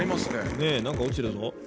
ねえ何か落ちてるぞ。